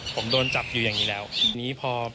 ผมโดนจับอยู่อย่างนี้แล้วทีนี้พอ